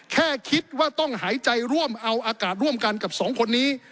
แค่คิดว่าต้องหายใจร่วมเอาอากาศร่วมกันกับสองคนนี้